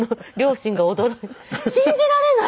「信じられない。